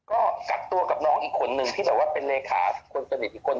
ก็กักตัวกับน้องอีกคนนึงที่แบบว่าเป็นเลขาคนสนิทอีกคน